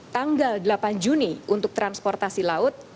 tanggal delapan juni untuk transportasi laut